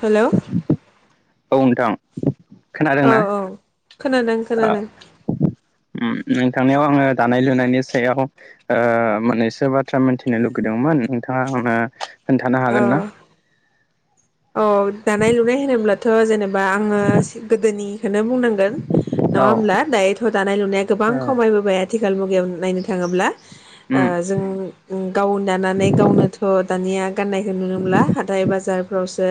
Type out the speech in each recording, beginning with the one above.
Hello औ नोंथां। [inaudible] औ खोनादोंना? औ खोनादों खोनादों। नोंथांनिाव आङो दानाय लुनायनि सायाव ओ मोननैसो बाथ्रा मोनथिनो लुगैदोंमोन? नोंथाङा आङो खोन्थानो हागोन ना? अ दानाय लुनाय होनोब्लाथ' हो जेने बा आङो गोदोनि खौनो बुंनांगोन औ नङा होनब्ला दायोथ' दानाय लुनाया गोबां औ खमायबोबाय आथि खाल मुगायाव नायनो थाङोब्ला ओ उम जों गाव दानानै गावनोथ' दानिया गाननायखौ नुनो मोनला हाथाय बा [unintelligible] सो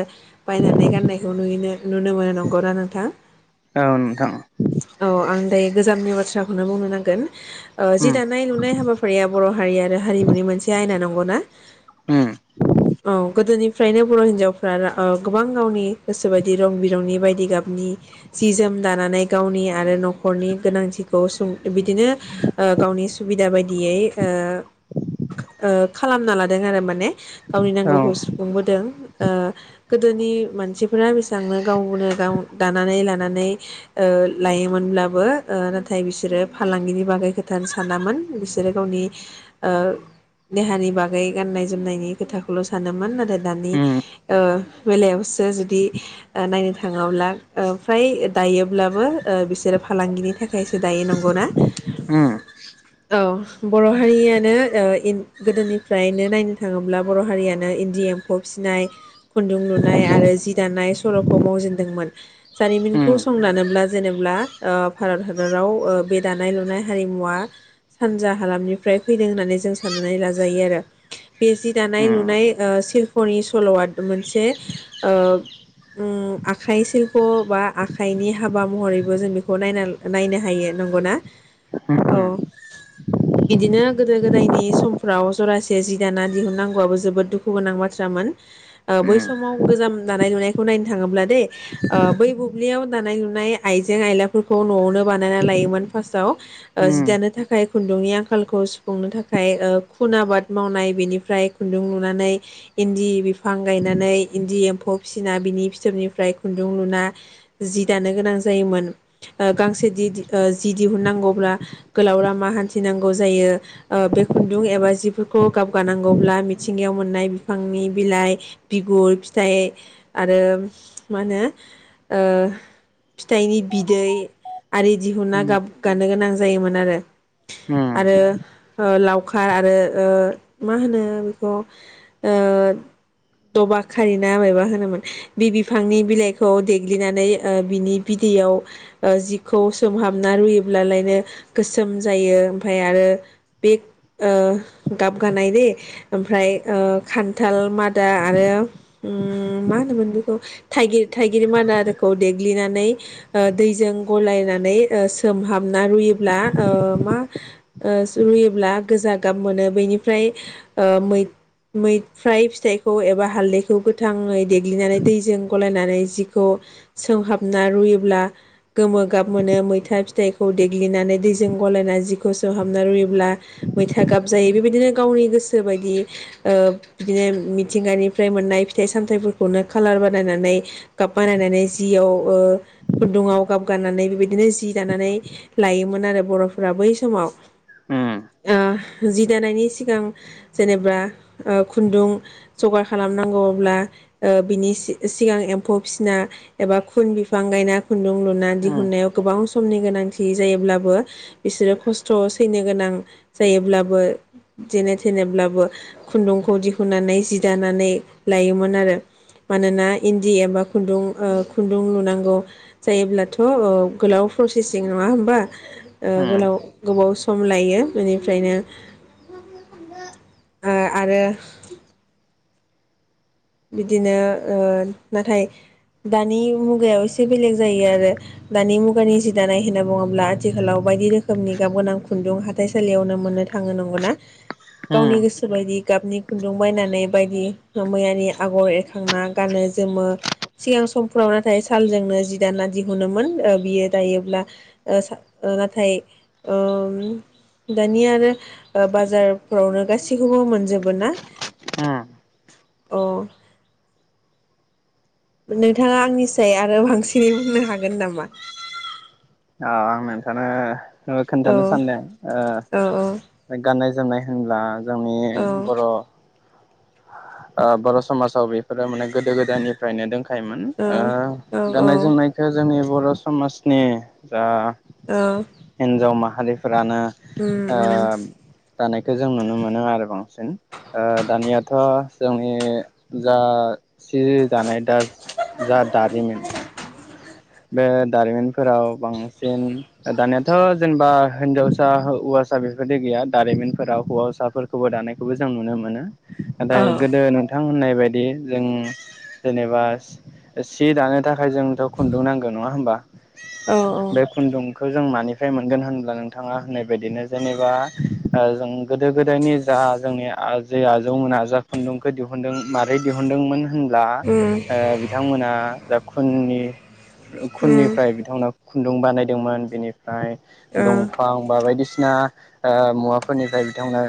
बायनानै गाननायखौ नुयोनो नुनो मोन नंगौ ना नोंथां औ नोंथां औ आं दायो गोजामनि बाथ्राखौनो बुंनो नांगोन। ओ जि उम दानाय लुनाय हाबाफारिया बर' हारि आरो हारिमुनि मोनसे आयना नांगौना उम औ गोदोनि फ्रायनो बर' हिनजाव [unintelligible] गोबां गावनि गोसो बायदि रं बिरंनि बायदि [unintelligible] गाबनि जि जोम दानानै गावनि आरो न'खरनि गोनांथिखौ सुं बिदिनो ओ गावनि सुबिदा बायदियै ओ खालामना लादों आरो माने। गावनि औ नांगौखौ सुफुंबोदों। ओ गोदोनि मानसिफोरा बेसेबांनो गावनो गाव दानानै लानानै लायोमोनब्लाबो ओ नाथाय बिसोरो फालांगिनि बागै खोथानो सानामोन बिसोरो गावनि ओ देहानि बागै गाननाय जोमनायनि खोथाखौल' सानोमोन नाथाय दानि उम ओ बेलायावसो जुदि ओ नायनो थाङोब्ला फ्राय दायोब्लाबो बिसोरो फालांगिनि थाखायसो दायो नंगौना उम औ बर' हारियानो ओ इन गोदोनिफ्रायनो नायनो थाङोब्ला बर' हारियानो इन्दि एम्फौ फिसिनाय खुन्दुं लुनाय आरो जि दानाय सल'खौ मावजेनदोंमोन जारिमिनखौ उम उम संदानोब्ला जेनेब्ला भारत हादराव ओ बे दानाय लुनाय हारिमुवा सानजा हालामनिफ्राय फैदों होननानै जों साननानै लाजायो आरो बे जि दानाय लुनाय ओ सिल [unintelligible] फोरनि सल'आ मोनसे ओ आखाइ सिल्प' बा आखाइनि हाबा महरैबो जों बेखौ नायना नायनो हायो नंगौना उम औ इदिनो गोदो गोदायनि समफ्राव जरासे जि दाना दिहुननांगौआबो जोबोद दुखु गोनां बा बाथ्रामोन बै समाव गोजाम दानाय लुनायखौ नायनो थाङोब्ला दै ओ बै बुब्लियाव दानाय लुनाय आइजें आयलाफोरखौ न'आवनो बानायना लायोमोन फास्टाव। ओ जि दानो थाख थाखाय खुन्दुंनि आंखालखौ सुफुंनो थाखाय ओ खुन आबाद मावनाय बेनिफ्राय खुन्दुं लुनानै इन्दि बिफां गायनानै इन्दि एम्फौ फिसिना बिनि फिथोबनिफ्राय खुन्दुं लुना जि दानो गोनां जायोमोन गांसे दि ओ जि दिहुननांगौब्ला गोलाव लामा हान्थिनांगौ जायो ओ बे खुन्दुं एबा जिफोरखौ गाबगानांगौब्ला मिथिंगायाव मोननाय बिफांनि बिलाइ बिगुर फिथाइ आरो मा होनो ओ फिथाइनि बिदै आरि दिहुना उम गाब गान गोनां जायोमोन आरो आरो ओ लावखार आरो ओ मा होनो बेखौ ओ दबा खारिना मायबा होनोमोन बे बिफांनि बिलाइखौ देग्लिनानै बिनि बिदैयाव जिखौ सोमहाबना रुयोब्लालायनो गोसोम जायो ओमफ्राय आरो बे ओ गाबगानाय दे ओमफ्राय ओ खान्थाल मादा आरो मा होनोमोन बेखौ थागिर थाइगिर मादाखौ देग्लिनानै दैजों गलायनानै सोमहाबना रुयोब्ला मा रुयोब्ला गोजा गाब मोनो बेनिफ्राय मै मै फ्राय फिथाइखौ एबा हालदैखौ गोथाङै देग्लिनानै दैजों गलायनानै जिखौ सोंहाबना रुयोब्ला गोमो गाब मोनो मैथा फिथाइखौ देग्लिनानै दैजों गलायना जिखौ सोंहाबना रुयोब्ला मैथा गाब जायो बेबायदिनो गावनि गोसो बायदि ओ बिदिनो मिथिंगानिफ्राय मोननाय फिथाइ सामथाइफोरखौनो कालार बानायनानै गाब बानायनानै जियाव खुन्दुङाव गाब गाननानै बेबायदिनो जि दानानै लायोमोन आरो बरफोरा बै समाव उम ओ जि दानायनि सिगां जेनेबा ओ खुन्दुं जगार खालामनांगौब्ला ओ बिनि सिगां एम्फौ फिसिना एबा खुन बिफां गायना खुन्दुं लुना दिहननायाव गोबाव स समनि गोनांथि जायोब्लाबो बिसोरो खस्थ सैनो गोनां जायोब्लाबो जेने थेनेब्लाबो खुन्दुंखौ दिहुननानै जि दानानै लायोमोन आरो मानोना इन्दि एबा खुन्दुं ओ खुन्दुं लुनांगौ जायोब्लाथ ओ गोलाव प्रसेसिं नङा होमबा ओ गोलाव गोबाव स सम लायो बेनिफ्रायनो ओ आरो बिदिनो ओ नाथाय दानि मुगायाव एसे बेलेग जायो आरो दानि मुगानि जि दानाय होनना बुङोब्ला आथिखालाव बायदि रोखोमनि गाब गोनां खुन्दुं हाथाइसालियावनो मोननो थाङो नंगौना उम गावनि गोसो बायदि गाबनि खुन्दुं बायनानै बायदि मैयारि आगर एरखांना गानो जोमो सिगां समफ्राव नाथाय सालजोंनो जि दाना दिहुनोमोन बियो दायोब्ला नाथाय दानि आरो बाजारफ्रावनो गासैखौबो मोनजोबो ना अ नोंथाङा आंनि साय आरो बांसिनै बुंनो हागोन नामा अ आं‌ नोंथांनो औ ओ‌खोन्थानो सानदों ओ औ गाननाय जोम जानाय होनब्ला जोंनि औ बर ओ बर समाजाव बेफोरो माने गोदो गोदायनिफ्रायनो दोंखा हायोमोन औ औ औ गाननाय जोमनायखौ जोंनि‌ बर समाजनि दा हिनजाव‌ माहारि हालि फोरानो उम ओ उम दानायखौ जों नुनो मोनो आरो बांसिन दानियाथ जोंनि जा सि दानाय दा जा दारिमिन बे दारिमिनफोराव बांसिन दानायाथ जेनेबा हिनजावसा हौवासा बेफोरदि गैया दारिमिनफोराव हौवासाफोरखौबो दानायखौबो जों नुनो मोनो औ नाथाय गोदो नोंथां होननाय बेबायदि जों जेनेबा सि दानो थाखाय जोंथ' खुन्दुं नांगौ नङा होमबा औ बे खुन्दुं खौ जों मानिफ्राय मोनगोन होनब्ला नोंथाङा होननाय बायदिनो जेनेबा ओ जों गोदो गोदायनि जा जोंनि जे आजौमोना जा खुन्दुंखौ दिहुनदों मारै दिहुनदोंमोन ब्ला उम ओ बिथांमोना दा खुननि उम खुननिफ्राय बिथांमोना खुन्दुं बानायदोंमोन बेनि ओमफ्राय ओ दंफां बा बायदिसिना ओ मुवाफोरनिफ्राय बिथांमोना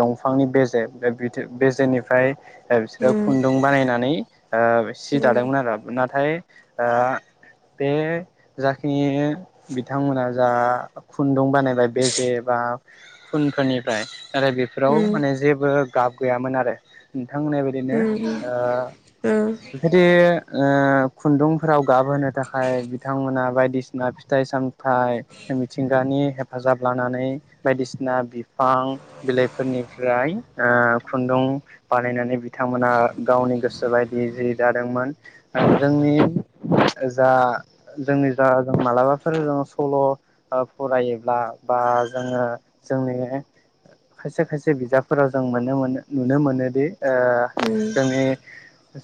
दंफांनि बेजे बेजेनिफ्राय ओमफ्राय बिसोरो उम खुन्दुं बानायनानै ओ सि दादोंमोन आरो नाथाय ओ बे जाखिनि बिथांमोना जा खुन्दुं बानायबाय बेजे बा खुनफोरनिफ्राय आरो बेफोराव माने जेबो गाब गैयामोन आरो बिथां होननाय बायदिनो ओ बिदि ओ खुन्दुंफोराव गाबहोनो थाखाय बिथांमोना बायदिसिना फिथाइ सामथाइ मिथिंगानि हेफाजाब लानानै बायदिसिना बिफां बिलाइफोरनिफ्राय ओ खुन्दुं बानायनानै बिथांमोना गावनि गोसो बायदि जि जादोंमोन जोंनि जा जोंनि जा जों मालाबाफोर सल' फरायोब्ला बा जोङो जोंनि खायसे खायसे बिजाबफोराव जों मोननो मोनो नुनो मोनोदि ओ जोंनि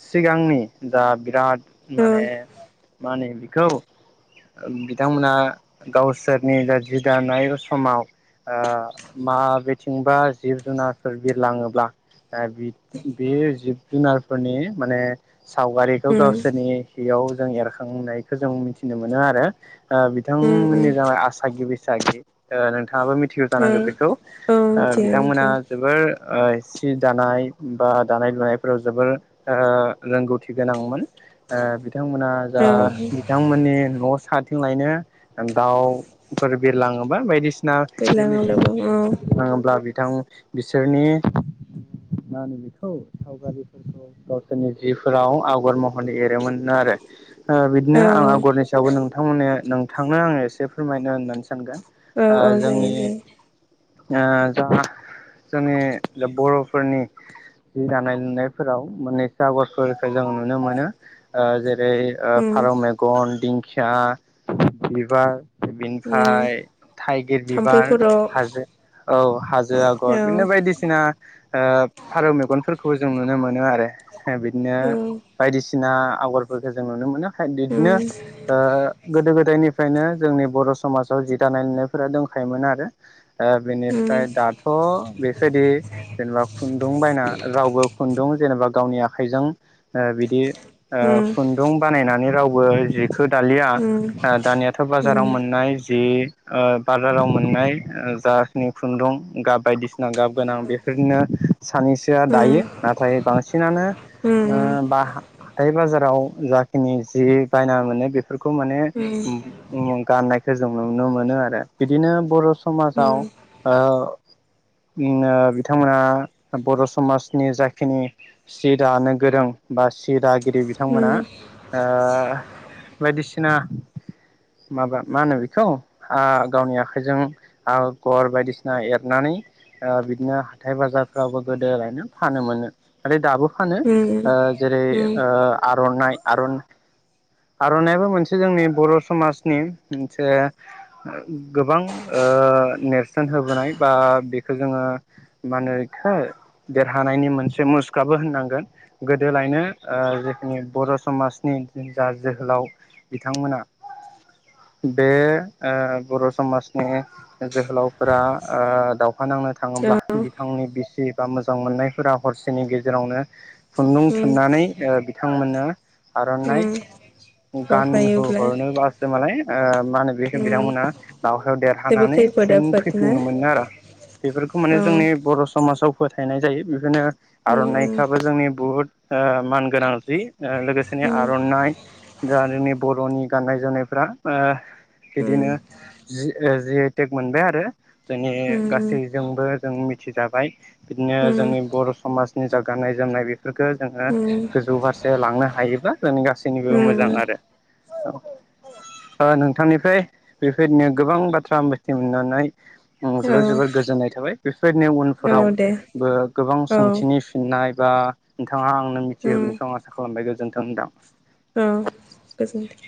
सिगांनि जा बिराद मान माने मा होनो बेखौ बिथांमोना गावसोरनि जा जि दानाय समाव ओ माबेथिंबा जिब जुनारफोर बिरलाङोब्ला बे जिब जुनारफोरनि माने सावगारिखौ गावसोरनि बेयाव जों एरखांनायखौ जों मिथिनो मोनो आरो ओ बिथांमोननि जाबाय आसागि सागि ओ नों नोंथाङाबो मिथिगौ जानांगौ बेखौ ओ बिथांमोना जोबोर सि दानाय बा दानाय लुनायफोराव जोबोर ओ रोंगौथि गोनांमोन ओ बिथांमोना जा बिथांमोननि न' सात थिं लायनो दाउफोर बिरलाङोबा बायदिसिना सिना औ [unintelligible] बिरलाङोब्ला बिथां बिसोरनि मा होनो बेखौ सावगारिफोरखौ गावसोरनि जिफोराव आवगर महरै ए मोननो आरो ओ बिदिनो औ आं आगरनि सायावबो नोंथ नोंथांमोनाने नोंथांनो आङो एसे फोरमायनो होननानैसै औ दा औ जायो जोंनि जायो ओ दा जोंनि बर'फोरनि जि दानाय-लुनायफोराव मोनैसो आगरफोरखौ जों नुनो मोनो अ जे जेरै उम फारौ मेगन, दिंखि सा बिबार उम बिनिफ्राय थाइगिर थाम्फै बिबार खर' औ हाजो औ हाजो आगर औ बिदिनो बायदिसिना फारौ मेगन खौ जों नुनो मोनो आरो। बिदिनो उम बायदिसि सिना आगरफोरखौ जों नुनो मोनो। उम बिदिनो गोदो गोदायनिफ्राय बेखायनो जोंनि बर' समाजाव जि दानाय लुनायफोरा दंखायोमोन आरो। उम बेनिफ्राय दाथ' बेबायदि जेनेबा खुन्दुं बायना रावबो खुन्दुं जेनेबा गावनि आखाइजों बिदि ओ उम उम खुन्दुं बानायनानै रावबो बर'नि जि जिखौ दालिया उम दानियाथ' उम बाजाराव औ मोननाय जि ओ बाजाराव मोननाय ओ जाखिनि खुन्दुं गाब बायदिसिना गाब गोनां बेफोरनिनो सानैसोआ दायो नाथाय बांसिनानो ओ बा हाथाय बाजाराव जाखिनि जि बायना मोनो बे बेफोरखौ माने ओम गाननायखौ जों नुनो मोनो आरो बिदिनो बर' समाजाव ओ बिथांमोना बर' समाजनि जाखिनि सि दानो गोरों बा सि दा गिदिर बिथांमोना ओ बायदिसिना माबा मा होनो बेखौ हो गावनि आखाइजों आगर बायदिसिना एरनानै ओ बिदिनो हाथाय बाजारफ्रावबो गोदालायनो फानो मोनो आरो दाबो फानो ओ जेरै ओ आर'नाइ आर'न आर'नायाबो मोनसे जोंनि बर' समाजनि मोनसे गोबां ओ नेरसोन होबोनाय बा बेखौ जोङो मा होनो एखो देरहानायनि मोनसे मुसुखाबो होननांगोन गोदोलायनो ओ जोंनि बर' समाजनि जा जोहोलाव बिथांमोना बे ओ बर' समाजनि जोहोलावफोरा ओ दाव दावहा नांनो थाङोब्ला बिथांनि बिसि एबा मोजां मोजां मोननायफोरा हरसेनि गेजेरावनो खुन्दुं उम थुननानै बिथांमोना आर'नाय उम हरफायोब्ला गानहोहरनोब्लाासो मालाय मा होनो बे उम बिथांमोना दावहायाव जेबो देरहानानै खैफोद फिन आफोद ना फैफिनो मोनो आरो बेफोरखौ औ माने जोंनि बर' समाजाव फोथायनाय जायो बेखोनो आर'नाइखाबो जोंनि बुहुत ओ मान गोनां जि ओ लोगोसेनो आर'नाइ जा जोंनि बर'नि गाननाय जोमनायफ्रा ओ बिदिनो जि जिटेक मोनबाय आरो जोंनि गासैजोंबो जों मिथिजाबाय बिदिनो जोंनि बर' समाजनि जा गाननाय जोमनाय बेफोरफोरखौ जोङो गोजौ फारसे लांनो हायोब्ला जोंनि गासैनिबो मोजां आरो ओ नोंथांनिफ्राय बेफोरदिनो गोबां बाथ्रा मिथि मोननानै जोबोद जोबोद गोजोननाय थाबाय बेफोरदिनो उन दे उनफोरावबो गोबां औ सोंथिनि फिननाय आ नोंथाङा आं होगोनखौ आं आसा खालामबाय गोजोन गोजोन्थों नोंथां औ गोजोनथों